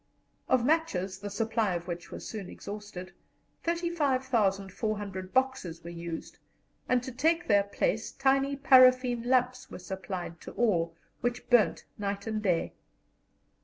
Of matches, the supply of which was soon exhausted, 35,400 boxes were used, and to take their place tiny paraffin lamps were supplied to all, which burnt night and day.